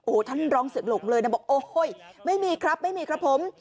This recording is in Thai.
ท่านร้องเสียงหลงเลยนะบอกโอ้ยไม่มีครับไม่มีครับผม